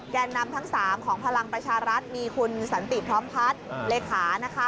แก่นำทั้ง๓ของพลังประชารัฐมีคุณสันติพร้อมพัฒน์เลขานะคะ